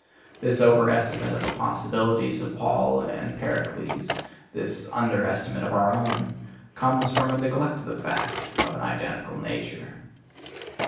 This over estimate of the possibilities of Paul and Pericles, this under estimate of our own, comes from a neglect of the fact of an identical nature.